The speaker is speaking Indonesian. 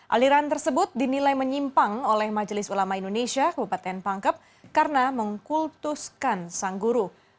aliran tersebut dinilai menyimpang oleh majelis ulama indonesia kabupaten pangkep karena mengkultuskan sang guru